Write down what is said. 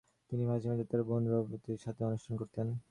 তিনি মাঝে মাঝে তার বোন রূপবতীর সাথেও অনুষ্ঠান করতেন।